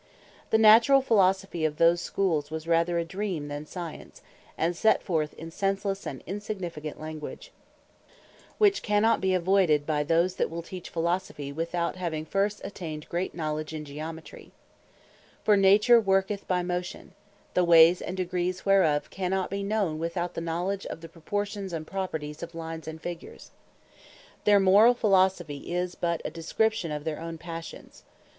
The naturall Philosophy of those Schools, was rather a Dream than Science, and set forth in senselesse and insignificant Language; which cannot be avoided by those that will teach Philosophy, without having first attained great knowledge in Geometry: For Nature worketh by Motion; the Wayes, and Degrees whereof cannot be known, without the knowledge of the Proportions and Properties of Lines, and Figures. Their Morall Philosophy is but a description of their own Passions.